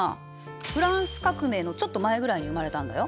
フランス革命のちょっと前ぐらいに生まれたんだよ。